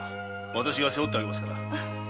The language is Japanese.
私が背負ってあげますから。